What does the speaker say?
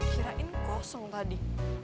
kirain kosong tadi